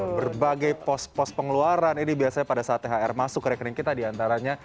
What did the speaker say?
berbagai pos pos pengeluaran ini biasanya pada saat thr masuk ke rekening kita diantaranya